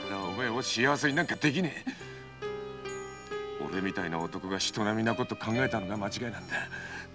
オレみてぇな男が人並みな事考えたのが間違いなんだ。